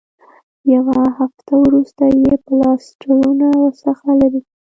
یوه هفته وروسته یې پلاسټرونه ورڅخه لرې کړل.